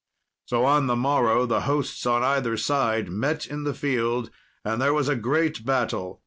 So on the morrow the hosts on either side met in the field, and there was a great battle.